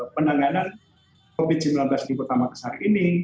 penanganan covid sembilan belas di kota makassar ini